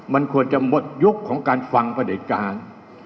มันควรจะหมดยุคของการฟังประเด็จการ